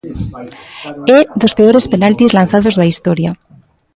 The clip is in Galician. É dos peores penaltis lanzados da historia.